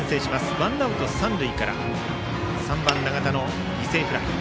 ワンアウト、三塁から３番、永田の犠牲フライ。